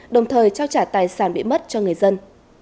đồng thời trao trả tài sản bị mất cho người dân